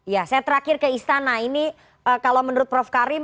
ya saya terakhir ke istana ini kalau menurut prof karim